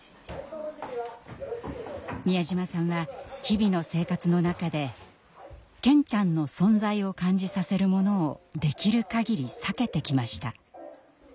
美谷島さんは日々の生活の中で健ちゃんの存在を感じさせるものをできる限り避けてきました。